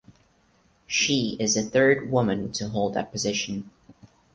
She is the third woman to hold that position.